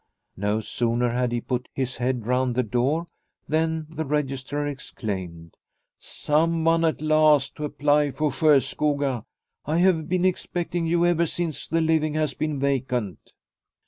No sooner had he put his head round the door than the registrar exclaimed :" Someone at last to apply for Sjoskoga. I have been expecting you ever since the living has been vacant."